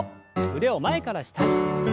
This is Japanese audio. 腕を前から下に。